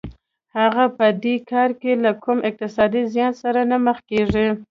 هغه په دې کار کې له کوم اقتصادي زیان سره نه مخ کېږي